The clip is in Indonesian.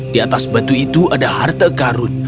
di atas batu itu ada harta karun